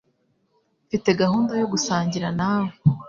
Mfite gahunda yo gusangira nawe.